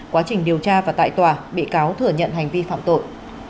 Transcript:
quá trình điều tra và tại tòa bị cáo thừa nhận hành vi phạm tội